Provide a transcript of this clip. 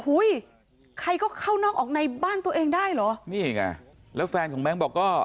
อุ้ยใครก็เข้านอกออกในบ้านตัวเองได้เหรอนี่ไงแล้วแฟนของแบงค์บอกก็